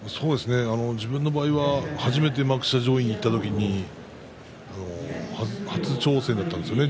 自分の場合は初めて幕下上位にいった時に初挑戦だったんですよね